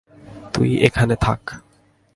তুই এখানে থাক।